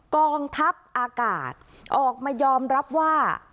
กองทัพอากาศออกมายอมรับว่า